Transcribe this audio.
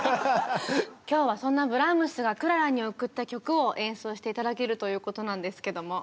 今日はそんなブラームスがクララに贈った曲を演奏して頂けるということなんですけども。